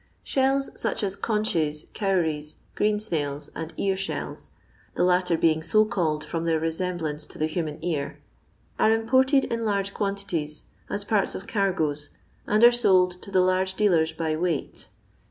Shells, such as conches, cowries, green snails, and ear shells (the latter being so called from thehr resemblance to the human ear), are imported in large quantities, as parts of cargoes, and are sold to the large dealers by weight.